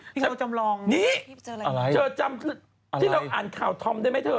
นี่เจอจำที่ลองอ่านข่าวแธอมได้ไหมเธอ